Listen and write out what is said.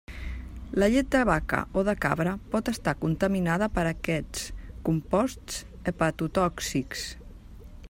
La llet de vaca o de cabra pot estar contaminada per aquests composts hepatotòxics.